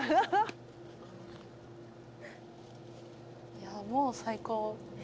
いやあもう最高。